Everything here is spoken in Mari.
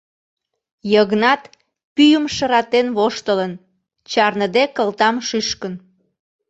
Йыгнат пӱйым шыратен воштылын, чарныде кылтам шӱшкын.